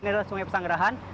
ini adalah sungai pesanggerahan